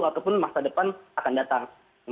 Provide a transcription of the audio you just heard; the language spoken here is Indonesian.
ataupun masa depan akan datang